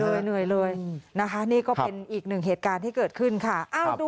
เหนื่อยเลยนะคะนี่ก็เป็นอีกหนึ่งเหตุการณ์ที่เกิดขึ้นค่ะ